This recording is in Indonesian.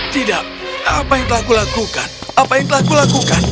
tidak apa yang telah kulakukan apa yang telah kulakukan